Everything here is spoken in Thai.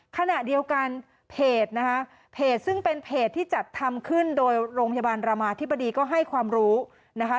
ขณะเดียวกันเพจนะคะเพจซึ่งเป็นเพจที่จัดทำขึ้นโดยโรงพยาบาลรามาธิบดีก็ให้ความรู้นะคะ